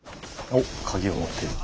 おっ鍵を持ってる。